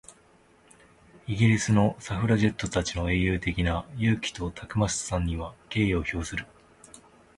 イギリスのサフラジェットたちの英雄的な勇気とたくましさには敬意を表する。